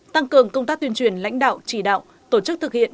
tăng cường công tác tuyên truyền lãnh đạo chỉ đạo tổ chức thực hiện